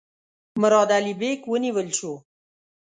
مراد علي بیګ ونیول شو.